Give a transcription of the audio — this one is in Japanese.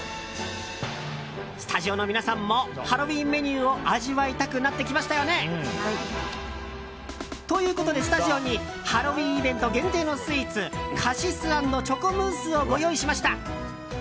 スタジオの皆さんもハロウィーンメニューを味わいたくなってきましたよね？ということで、スタジオにハロウィーンイベント限定のスイーツカシス＆チョコムースをご用意しました。